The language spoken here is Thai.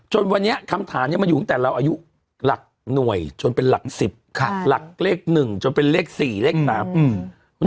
วันนี้คำถามเนี้ยมันอยู่ตั้งแต่เราอายุหลักหน่วยจนเป็นหลักสิบค่ะหลักเลขหนึ่งจนเป็นเลขสี่เลขสามอืม